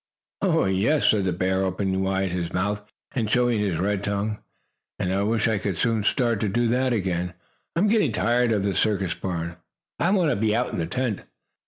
"Oh, yes," said the bear, opening wide his mouth and showing his red tongue. "And I wish I could soon start to doing that again. I am getting tired of the circus barn. I want to be out in the tent."